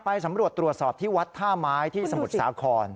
สำรวจตรวจสอบที่วัดท่าไม้ที่สมุทรสาคร